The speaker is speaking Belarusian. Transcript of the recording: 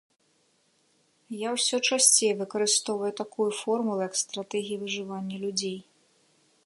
Я ўсё часцей выкарыстоўваю такую формулу як стратэгія выжывання людзей.